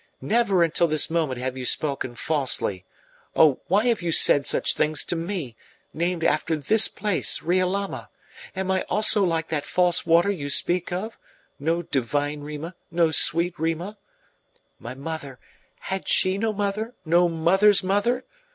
Never until this moment have you spoken falsely. Oh, why have you said such things to me named after this place, Riolama? Am I also like that false water you speak of no divine Rima, no sweet Rima? My mother, had she no mother, no mother's mother?